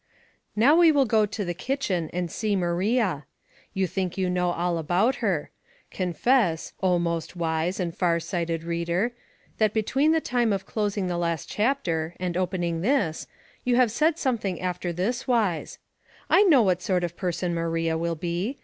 OW we will go to the kitchen and see Mciria. You think you know all about her. Confess, oh, most wise and far sight ed reader, that between the ti^ie of clos ing the last chapter and opening this you have said something after this wise: "I know what sort of person Maria will be.